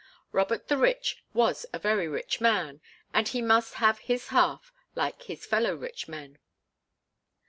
Robert the Rich was a very rich man, and he must have his half like his fellow rich men.